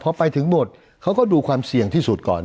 พอไปถึงหมดเขาก็ดูความเสี่ยงที่สุดก่อน